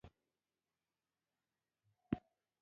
کله چې موټر چلوې نو احتياط ډېر کوه!